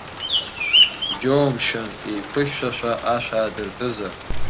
Иџьоумшьан еиқәыхьшәашәа ашә аадыртызар.